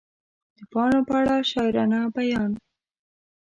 د پاڼو په اړه شاعرانه بیان